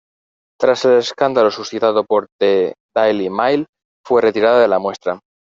Tras el escándalo suscitado por "The Daily Mail", fue retirada de la muestra.